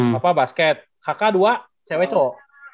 papa basket kakak dua cewek dua